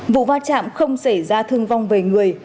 vụ va chạm không xảy ra thương vong về người